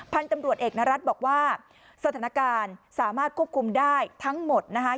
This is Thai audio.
พันธุ์ตำรวจเอกนรัฐบอกว่าสถานการณ์สามารถควบคุมได้ทั้งหมดนะคะ